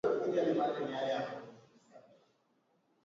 utahitaji Karanga zilizosagwa